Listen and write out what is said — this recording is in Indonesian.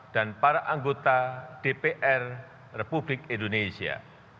dan para anggota dpr republik indonesia